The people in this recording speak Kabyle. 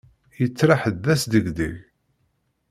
Yettriḥ-d d asdegdeg.